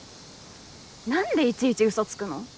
何でいちいちうそつくの？